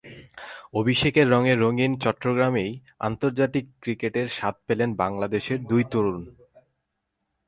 অভিষেকের রঙে রঙিন চট্টগ্রামেই আন্তর্জাতিক ক্রিকেটের স্বাদ পেলেন বাংলাদেশের দুই তরুণ।